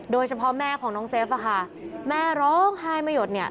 โดยเฉพาะแม่ของน้องเจฟอะค่ะแม่ร้องไห้ไม่หยดเนี่ย